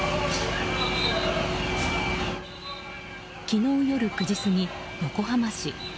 昨日夜９時過ぎ、横浜市。